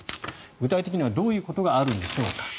具体的にはどういうことがあるんでしょうか。